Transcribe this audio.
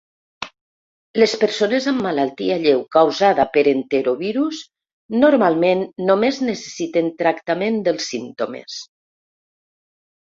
Les persones amb malaltia lleu causada per enterovirus normalment només necessiten tractament dels símptomes.